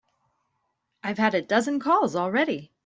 I've had a dozen calls already.